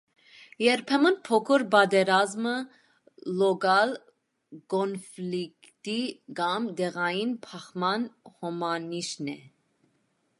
Երբեմն փոքր պատերազմը լոկալ կոնֆլիկտի կամ տեղային բախման հոմանիշն է։